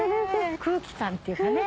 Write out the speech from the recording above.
空気感っていうかね